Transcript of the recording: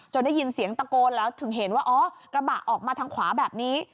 ได้ยินเสียงตะโกนแล้วถึงเห็นว่าอ๋อกระบะออกมาทางขวาแบบนี้